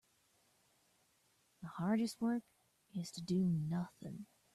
The hardest work is to do nothing.